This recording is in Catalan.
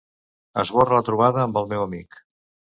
Esborra la trobada amb el meu amic.